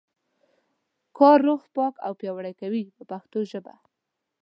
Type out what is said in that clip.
کار روح پاک او پیاوړی کوي په پښتو ژبه.